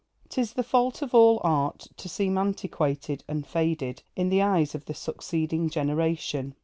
'T is the fault of all art to seem antiquated and faded in the eyes of the succeeding generation.